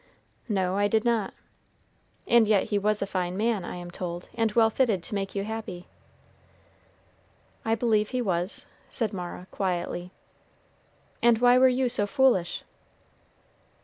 "No, I did not." "And yet he was a fine man, I am told, and well fitted to make you happy." "I believe he was," said Mara, quietly. "And why were you so foolish?"